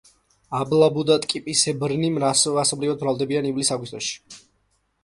აბლაბუდატკიპასებრნი მასობრივად მრავლდებიან ივლის-აგვისტოში.